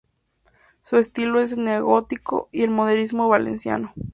Su estilo es el neogótico y el modernismo valenciano.